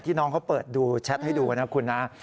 น้องเขาเปิดดูแชทให้ดูนะคุณนะ